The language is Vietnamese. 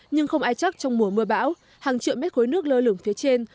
nhưng không ai chắc trong mùa mưa bão hàng triệu mét khối nước lơ lửng phía trên